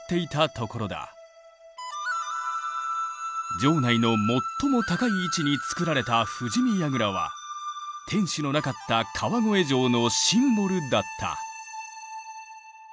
城内の最も高い位置につくられた富士見櫓は天守のなかった川越城のシンボルだった。